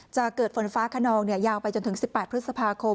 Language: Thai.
จะเกิดฝนฟ้าขนองยาวไปจนถึง๑๘พฤษภาคม